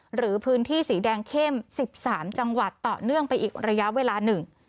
หรือพื้นที่สีแดงเข้ม๑๓จังหวัดต่อเนื่องไปอีกระยะเวลาหนึ่ง